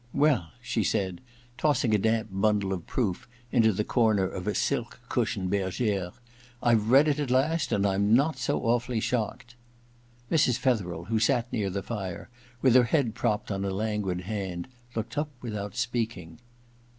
* Well,' she said, tossing a damp bundle of proof into the corner of a silk cushioned bergere, 'Fve read it at last and I'm not so awfully shocked !' Mrs. Fetherel, who sat near the fire with her head propped on a languid hand, looked up without speaking.